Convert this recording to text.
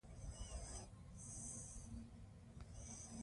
عامه مالي چارې د دولت مسوولیت دی.